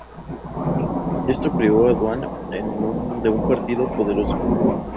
Esto privó a Duan de un partidario poderoso.